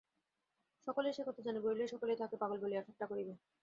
সকলেই সেকথা জানে, বলিলেই সকলে তাহাকে পাগল বলিয়া ঠাট্টা করিবে।